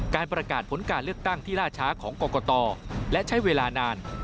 การประกาศผลการเลือกตั้งที่ล่าช้าของกรกตและใช้เวลานาน